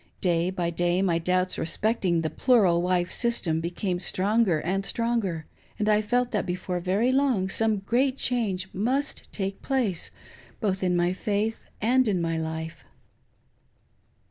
Day by day my doubts respecting the plural wife system became stronger and stronger, and I felt that before very long some great change must take place, both in my faith and in my life.